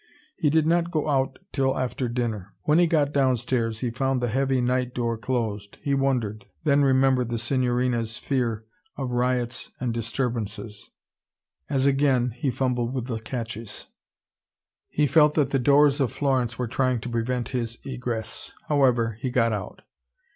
He did not go out till after dinner. When he got downstairs he found the heavy night door closed. He wondered: then remembered the Signorina's fear of riots and disturbances. As again he fumbled with the catches, he felt that the doors of Florence were trying to prevent his egress. However, he got out.